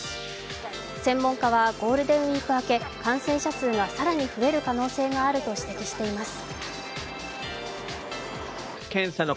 専門家はゴールデンウイーク明け感染者数が更に増える可能性があると指摘しています。